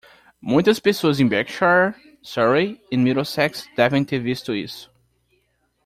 Muitas pessoas em Berkshire? Surrey? e Middlesex devem ter visto isso.